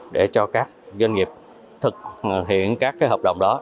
để cho các doanh nghiệp thực hiện các hợp đồng đó